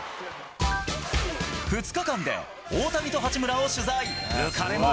２日間で大谷と八村を取材。